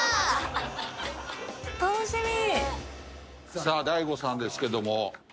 さあ大悟さんですけども。